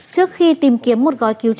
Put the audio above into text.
trước khi tìm kiếm một gói trang